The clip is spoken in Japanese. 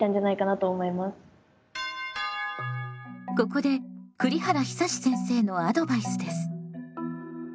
ここで栗原久先生のアドバイスです。